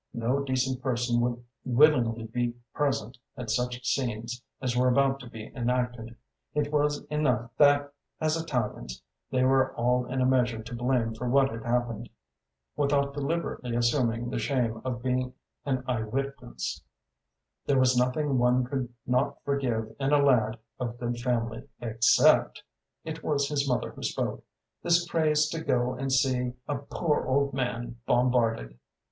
No decent person would willingly be present at such scenes as were about to be enacted; it was enough that, as Italians, they were all in a measure to blame for what had happened, without deliberately assuming the shame of being an eye witness; there was nothing one could not forgive in a lad of good family, except (it was his mother who spoke) this craze to go and see A POOR OLD MAN BOMBARDED.